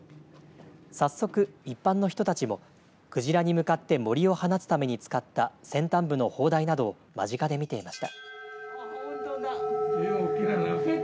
早速、一般の人たちも鯨に向かってもりを放つために使った先端部の砲台などを間近で見ていました。